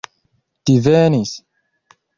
divenis